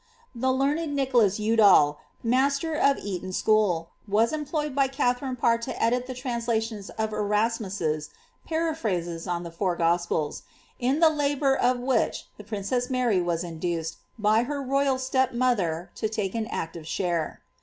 The learned Nicholas Udal, master of Eton School, was emplojcd by Katharine Parr to edite the translations of Erasmuses Paraphrase* oi the Four Gosjh'Is ; in the labour of which the princess Mar}' was in duced, by her royal step motiier, to take an active share.